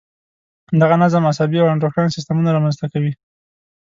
دغه نظم عصبي او انډوکراین سیستمونه را منځته کوي.